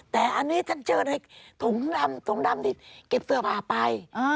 แต่อันนี้เจอในถุงดำที่เก็บเสื้อปากไป